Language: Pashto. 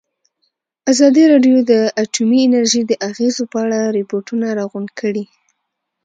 ازادي راډیو د اټومي انرژي د اغېزو په اړه ریپوټونه راغونډ کړي.